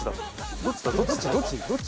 どっち？